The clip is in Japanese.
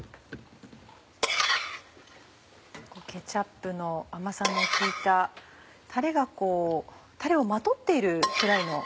ケチャップの甘さの効いたタレをまとっているくらいの。